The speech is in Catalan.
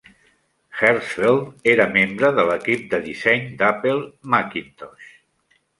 Hertzfeld era membre de l'equip de disseny d'Apple Macintosh.